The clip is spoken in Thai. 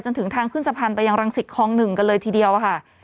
ถึงทางขึ้นสะพานไปยังรังสิตคลอง๑กันเลยทีเดียวค่ะ